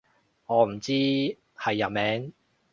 我唔知係人名